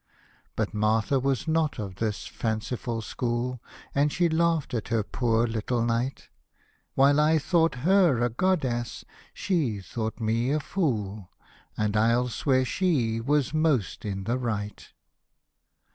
But Martha was not of this fanciful school. And she laughed at her poor little knight ; While I thought her a goddess, she thought me a fool, And I'll swear she was most in the right.